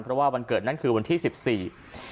เพราะว่าวันเกิดนั้นนั้นคือวันที่๑๔